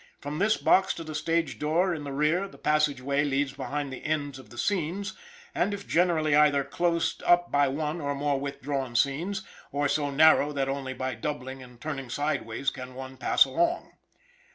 From this box to the stage door in the rear, the passage way leads behind the ends of the scenes, and if generally either closest up by one or more withdrawn scenes, or so narrow that only by doubling and turning sidewise can one pass along.